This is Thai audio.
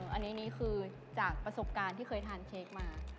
อันนี้คือจากประสบการณ์ที่เคยทานเค้กมา